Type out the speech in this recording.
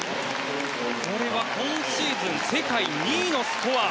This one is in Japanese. これは今シーズン世界２位のスコア。